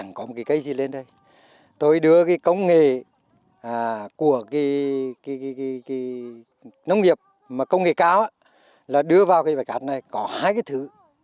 nông nghiệp mà công nghệ cao là đưa vào cây bạc cát này có hai cái thứ